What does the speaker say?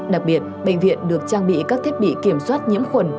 đặc biệt bệnh viện được trang bị các thiết bị kiểm soát nhiễm khuẩn